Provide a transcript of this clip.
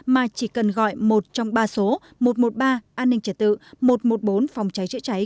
mà chỉ cần gọi một trong ba số một trăm một mươi ba an ninh trật tự một trăm một mươi bốn phòng cháy chữa cháy